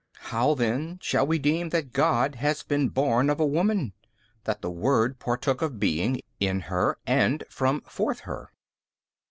B. How then shall we deem that God has been born of a woman? that the Word partook of Being, in her and from forth her?